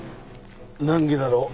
難儀だろう。